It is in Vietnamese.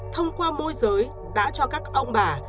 thông qua môi giới đã cho các ông bà